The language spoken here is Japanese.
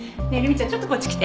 ちょっとこっち来て。